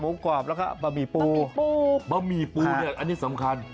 หมูกรอบแล้วก็บะหมี่ปูบะหมี่ปูบะหมี่ปูเนี่ยอันนี้สำคัญ